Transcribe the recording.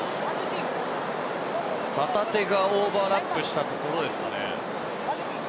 旗手がオーバーラップしたところですかね。